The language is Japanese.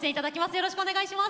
よろしくお願いします。